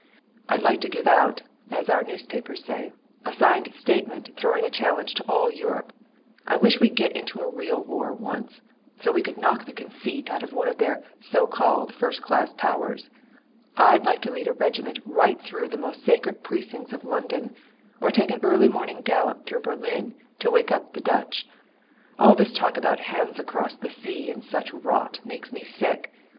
"I'd like to give out, as our newspapers say, a signed statement throwing a challenge to all Europe. I wish we'd get into a real war once so we could knock the conceit out of one of their so called first class powers. I'd like to lead a regiment right through the most sacred precincts of London; or take an early morning gallop through Berlin to wake up the Dutch. All this talk about hands across the sea and such rot makes me sick.